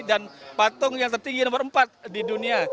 dan patung yang tertinggi nomor empat di dunia